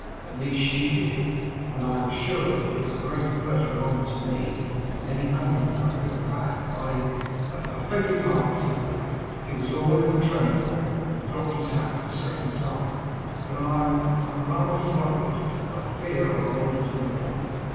at least, SHE did; and I am sure that was a greater pleasure and honour to me than any compliment I could have had. I I beg your pardon sir;' he was all in a tremble, and dropped his hat for the second time 'but I I'm rather flurried, and I fear I've wandered from the point.